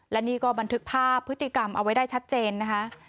และนี่ก็บันทึกภาพพฤติกรรมเอาไว้ได้ชัดเจนนะคะ